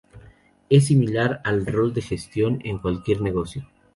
Es similar al rol de gestión en cualquier negocio.